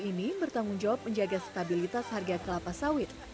ini bertanggung jawab menjaga stabilitas harga kelapa sawit